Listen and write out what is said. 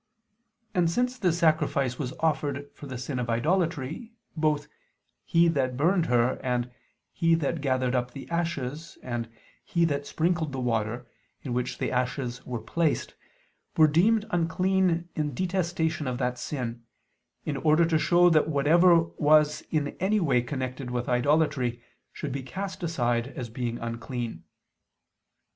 And since this sacrifice was offered for the sin of idolatry, both "he that burned her," and "he that gathered up the ashes," and "he that sprinkled the water" in which the ashes were placed, were deemed unclean in detestation of that sin, in order to show that whatever was in any way connected with idolatry should be cast aside as being unclean.